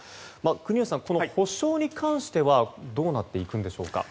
国吉さん、この補償に関してはどうなっていくんでしょうか。